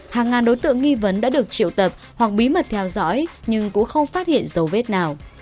hàng ngàn đối tượng nghi vấn đã được triệu tập hoặc bí mật theo dõi nhưng cũng không phát hiện dấu vết nào